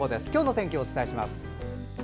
今日の天気をお伝えします。